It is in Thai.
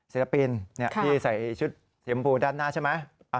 ศิลปินพี่ใส่ชุดสีชมพูด้านหน้าใช่ไหม